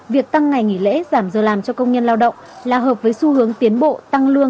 việc tăng ngày nghỉ lễ giảm giờ làm cho công nhân lao động là hợp với xu hướng tiến bộ tăng lương